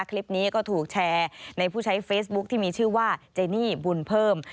คลิปนี้ก็ถูกแชร์ในผู้ใช้เฟซบุ๊คที่มีชื่อว่าเจนี่บุญเพิ่ม